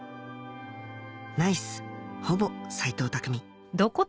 ナイスほぼ斎藤工